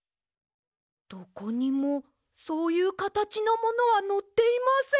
どこにもそういうかたちのものはのっていません。